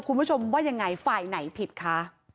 คุณผู้ชมว่ายังไงฝ่ายไหนผิดคะ